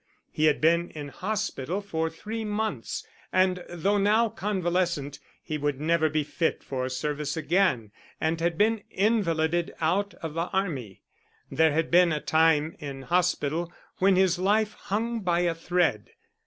He had been in hospital for three months, and though now convalescent he would never be fit for service again and had been invalided out of the army. There had been a time in hospital when his life hung by a thread.